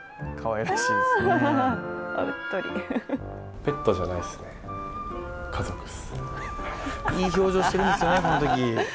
いい表情してるんですよね、このとき。